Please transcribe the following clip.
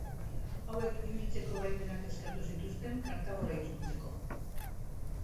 Hauek ibiltzeko baimenak eskatu zituzten Kartagora itzultzeko.